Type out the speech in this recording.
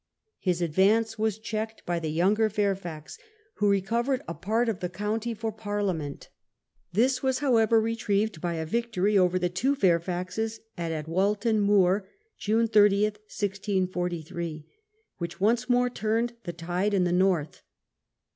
His advance was checked by the younger Fairfax, who recovered a part of the county for Parliament. This was, however, retrieved by a victory over the two Fairfaxes at Adwalton Moor (June 30, 1643), which once more turned the tide in the North.